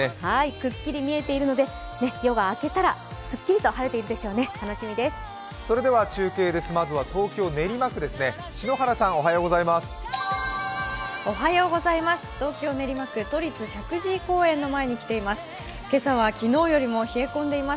くっきり見えているので夜が明けたらすっきりと晴れているでしょうね楽しみです。